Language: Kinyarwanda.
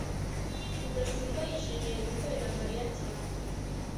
rudasingwa yishimiye gukorera mariya cyane